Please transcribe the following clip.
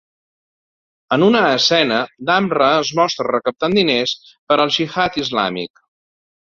En una escena, Damrah es mostra recaptant diners per al gihad islàmic.